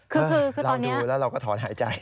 คือคือตอนนี้เราดูแล้วเราก็ถอนหายใจ